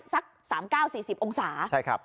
สัก๓๙๔๐องศาใช่ครับ